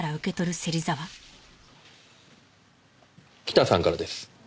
北さんからです。